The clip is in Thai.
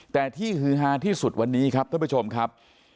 แต่ที่ฮือฮาที่สุดวันนี้ครับท่านผู้ชมครับ